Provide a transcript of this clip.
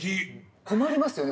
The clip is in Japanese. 困りますよね